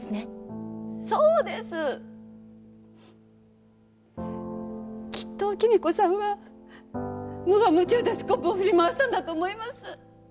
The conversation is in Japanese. そうです！きっと貴美子さんは無我夢中でスコップを振り回したんだと思います。